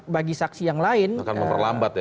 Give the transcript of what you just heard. bagi saksi yang lain akan memperlambat ya